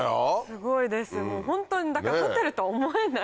すごいですホントにだからホテルとは思えない。